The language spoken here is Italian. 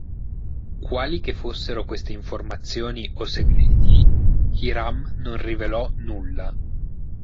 Quali che fossero queste informazioni o segreti, Hiram non rivelò nulla.